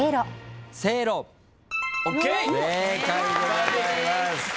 正解でございます。